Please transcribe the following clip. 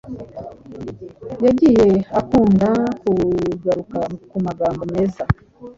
yagiye akunda kugaruka ku magambo meza